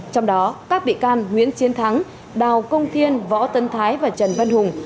trong đó các bị can nguyễn chiến thắng đào công thiên võ tân thái và trần văn hùng